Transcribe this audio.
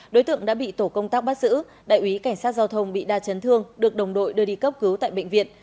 đối tượng đã bị tổ công tác bắt giữ đại úy cảnh sát giao thông bị đa chấn thương được đồng đội đưa đi cấp cứu tại bệnh viện